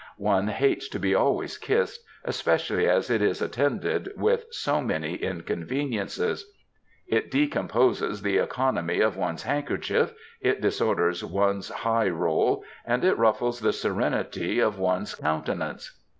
One hates to be always kissed, especially as it is attended with so many inconveniences. It decomposes the economy of one^s 246 MEN, WOMEN, AND MINXES handkerchief, it disorders one'^s high roll, and it ruffles the serenity of one^s countenance.